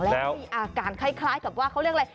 แล้วมีอาการคล้ายกับว่าเขาเรียกอะไร